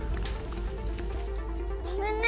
ごめんね。